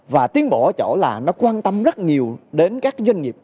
và tiến bộ ở chỗ là nó quan tâm rất nhiều đến các doanh nghiệp